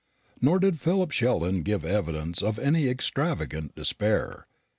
Nor did Philip Sheldon give evidence of any extravagant despair.